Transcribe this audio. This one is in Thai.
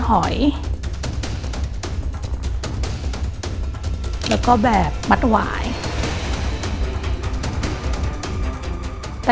ประหลักสำคัญที่เราดูจริงก็คือเราจะดูเป็นลักษณะของเส้นหยุดเส้นแยกจุดอย่างนี้ค่ะ